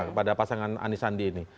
kepada pasangan anisandi ini